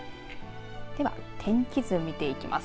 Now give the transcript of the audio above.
では、天気図、見ていきます。